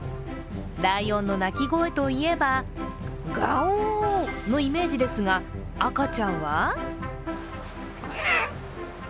ライオンの鳴き声といえば、ガオー！のイメージですが、赤ちゃんは？